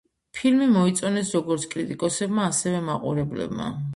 ფილმი მოიწონეს როგორც კრიტიკოსებმა, ასევე მაყურებლებმა.